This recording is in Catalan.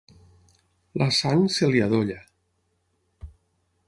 La sang se li adolla.